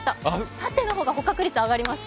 縦の方が捕獲率が上がります。